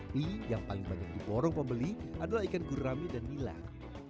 mie yang paling banyak diborong pembeli adalah ikan gurami dan milan